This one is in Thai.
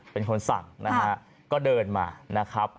เป็นคนสั่งนะฮะก็เดินมานะครับ